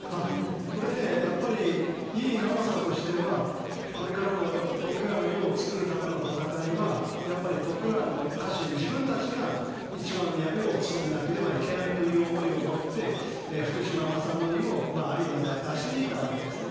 これねやっぱり井伊直政としてはこれからの徳川の世を作るための戦いはやっぱり徳川の家臣自分たちが一番槍を務めなければいけないという思いを持って福島正則をある意味では出し抜いたわけですね。